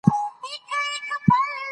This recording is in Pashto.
پروفیسور بوچانان د ریښتیني عاید خبره کوي.